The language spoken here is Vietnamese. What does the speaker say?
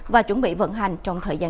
và chuẩn bị vận hành trong thời gian